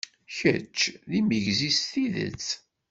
Kečč d imegzi s tidet!